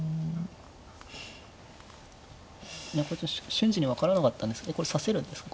瞬時に分からなかったんですけどこれ指せるんですか？